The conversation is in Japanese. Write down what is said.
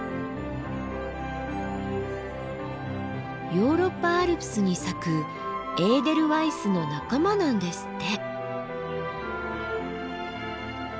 ヨーロッパアルプスに咲くエーデルワイスの仲間なんですって。